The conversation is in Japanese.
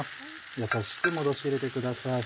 やさしく戻し入れてください。